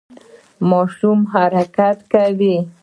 ماشوم مو حرکت کوي؟